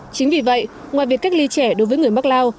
chính vì vậy ngoài việc cách ly trẻ đối với người mắc lao